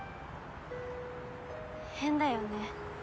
変だよね。